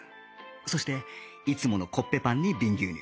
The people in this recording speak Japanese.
そしていつものコッペパンに瓶牛乳